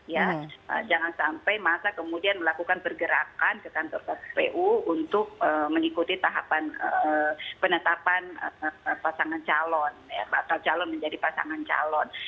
ya jangan sampai masa kemudian melakukan pergerakan ke kantor kpu untuk mengikuti tahapan penetapan pasangan calon bakal calon menjadi pasangan calon